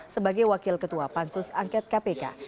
sebagai wakil ketua pansus angket kpk